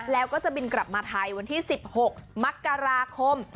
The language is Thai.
แล้วก็จะบินกลับมาไทยวันที่๑๖มกราคม